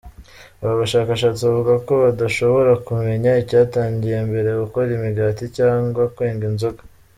Aba bashakashatsi bavuga ko badashobora kumenya icyatangiye mbere - gukora imigati cyangwa kwenga inzoga.